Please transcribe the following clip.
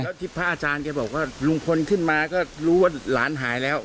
แล้วที่พระอาจารย์แกบอกว่าลุงพลขึ้นมาก็รู้ว่าหลานหายแล้ว